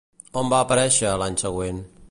On va aparèixer l'any següent?